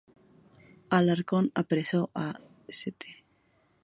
Alarcón apresó a St.